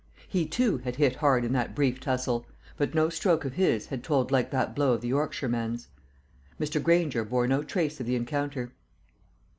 He, too, had hit hard in that brief tussle; but no stroke of his had told like that blow of the Yorkshireman's. Mr. Granger bore no trace of the encounter.